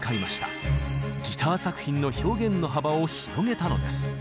ギター作品の表現の幅を広げたのです。